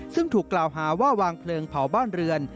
ซึ่งถูกกล่าวหาว่าวางเพลิงเผาบ้านเรือน